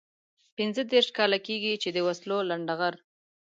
پنځه دېرش کاله کېږي چې د وسلو لنډه غر.